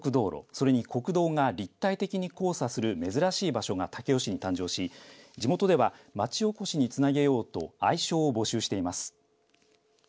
それに国道が立体的に交差する珍しい場所が武雄市に誕生し地元では町おこしにつなげようと愛称を募集しています。